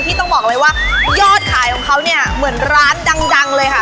ต้องบอกเลยว่ายอดขายของเขาเนี่ยเหมือนร้านดังเลยค่ะ